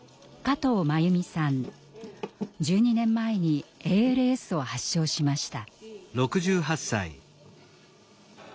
１２年前にＡＬＳを発症しました。